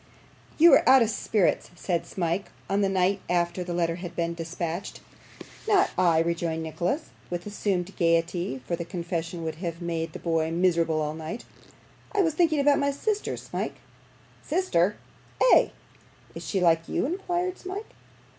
'You are out of spirits,' said Smike, on the night after the letter had been dispatched. 'Not I!' rejoined Nicholas, with assumed gaiety, for the confession would have made the boy miserable all night; 'I was thinking about my sister, Smike.' 'Sister!' 'Ay.' 'Is she like you?' inquired Smike.